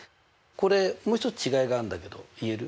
これもう一つ違いがあるんだけど言える？